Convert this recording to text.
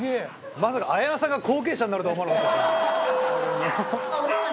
「まさか綾菜さんが後継者になるとは思わなかった」